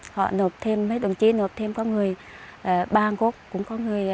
họ nộp thêm mấy đồng chí nộp thêm có người ba cốc cũng có người hơn đó